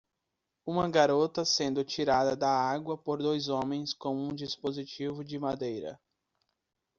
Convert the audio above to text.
Uma garota sendo tirada da água por dois homens com um dispositivo de madeira